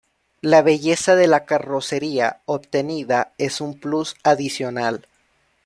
La belleza de la carrocería obtenida es un plus adicional.